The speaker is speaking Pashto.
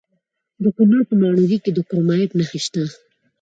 د کونړ په ماڼوګي کې د کرومایټ نښې شته.